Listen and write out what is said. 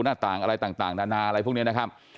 หน้าต่างอะไรต่างนานาอะไรพวกนี้นะครับ